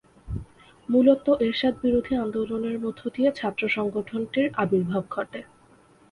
মূলত এরশাদ বিরোধী আন্দোলনের মধ্যদিয়ে ছাত্র সংগঠনটির আবির্ভাব ঘটে।